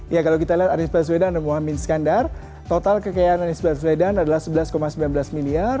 ya kalau kita lihat anis baswedan dan mohamad miniskandar total kekayaan anis baswedan adalah sebelas sembilan belas miliar